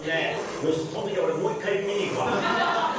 よし、そのときは俺、もう１回見に行くわ。